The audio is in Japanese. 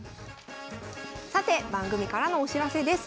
さて番組からのお知らせです。